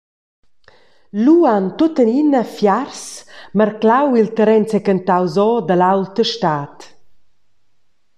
Lu han tuttenina fiars marclau il terren sechentaus ora dall’aulta stad.